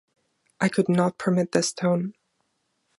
I could not permit this tone.